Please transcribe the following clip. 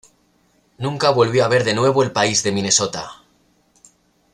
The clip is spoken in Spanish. Nunca volvió a ver de nuevo el país de Minnesota.